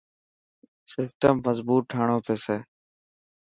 سسٽم مظبوت ٺاڻو پيسي.